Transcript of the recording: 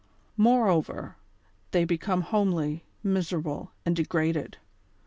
Moreover, they become homely, miserable and degraded.